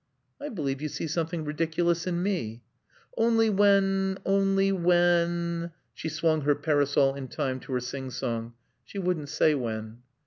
"I believe you see something ridiculous in me." "Only when only when " She swung her parasol in time to her sing song. She wouldn't say when.